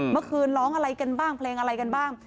เมื่อคืนร้องอะไรกันบ้างเพลงอะไรกันบ้าง